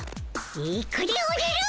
いくでおじゃる。